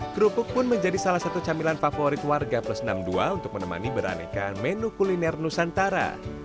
kerupuk pun menjadi salah satu camilan favorit warga plus enam puluh dua untuk menemani beraneka menu kuliner nusantara